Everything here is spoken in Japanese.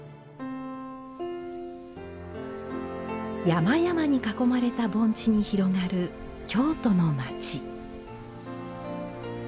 山々に囲まれた盆地に広がる京都の町。